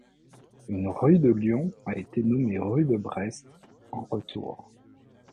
Une rue de Lyon a été nommé Rue de Brest, en retour.